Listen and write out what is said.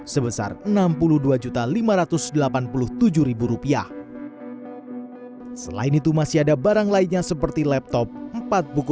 sebesar enam puluh dua juta lima ratus delapan puluh tujuh rupiah selain itu masih ada barang lainnya seperti laptop empat buku